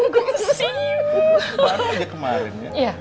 baru aja kemarin ya